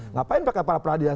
ngapain pakai para peradilan